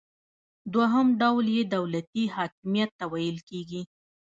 دوهم ډول یې دولتي حاکمیت ته ویل کیږي.